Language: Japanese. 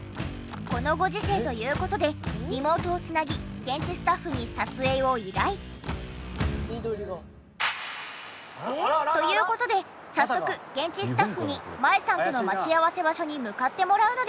このご時世という事でリモートを繋ぎ現地スタッフに撮影を依頼。という事で早速現地スタッフに麻恵さんとの待ち合わせ場所に向かってもらうのですが。